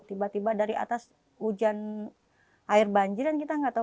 tiba tiba dari atas hujan air banjir kan kita nggak tahu